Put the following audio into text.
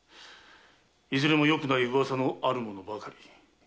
いずれもよくない噂のある者ばかり。